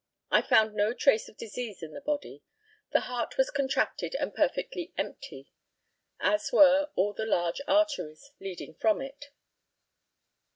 I found no trace of disease in the body. The heart was contracted and perfectly empty, as were all the large arteries leading from it.